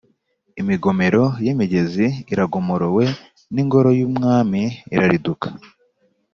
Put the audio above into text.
Imigomero y’imigezi iragomorowe n’ingoro y’Umwami irariduka.